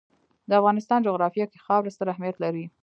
د افغانستان جغرافیه کې خاوره ستر اهمیت لري.